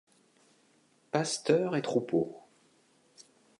Pasteurs et troupeaux